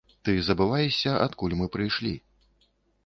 Ты забываешся, адкуль мы прыйшлі.